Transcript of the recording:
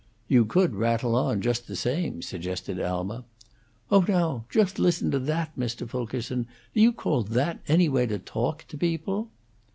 "You could rattle on, just the same," suggested Alma. "Oh, now! Jost listen to that, Mr. Fulkerson. Do you call that any way to toak to people?"